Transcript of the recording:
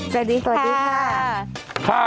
สวัสดีค่ะ